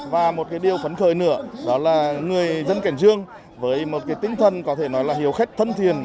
và một cái điều phấn khởi nữa đó là người dân cảnh dương với một cái tinh thần có thể nói là hiểu khách thân thiền